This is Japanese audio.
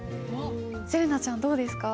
せれなちゃんどうですか？